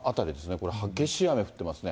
これ、激しい雨降ってますね。